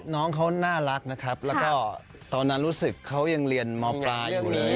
น้องเขาน่ารักนะครับแล้วก็ตอนนั้นรู้สึกเขายังเรียนมปลายอยู่เลย